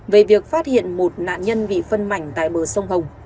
về việc phát hiện một nạn nhân bị phân mảnh tại bờ sông hồng